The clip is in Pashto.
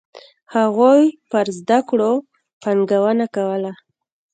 هغوی پر زده کړو پانګونه کوله.